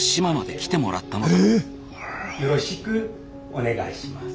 よろしくお願いします。